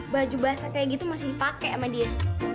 baju basah kayak gitu masih dipakai sama dia